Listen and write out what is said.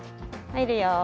入るよ。